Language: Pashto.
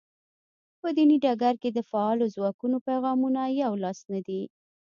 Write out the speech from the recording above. په دیني ډګر کې د فعالو ځواکونو پیغامونه یو لاس نه دي.